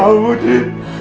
tengah kamu di